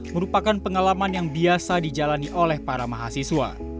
merupakan pengalaman yang biasa dijalani oleh para mahasiswa